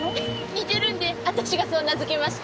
似てるんで私がそう名づけました。